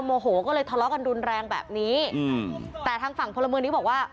โมโหก็เลยทะเลาะกันรุนแรงแบบนี้อืมแต่ทางฝั่งพลเมืองนี้บอกว่า